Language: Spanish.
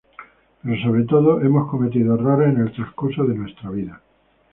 Pero sobre todo, hemos cometido errores en el transcurso de nuestra vida.